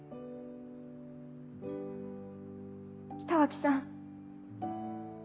北脇さん。